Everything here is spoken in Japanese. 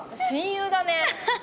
親友だね。